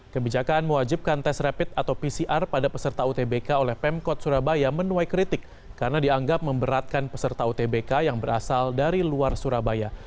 kebijakan mewajibkan tes rapid atau pcr pada peserta utbk oleh pemkot surabaya menuai kritik karena dianggap memberatkan peserta utbk yang berasal dari luar surabaya